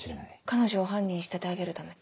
彼女を犯人に仕立て上げるため？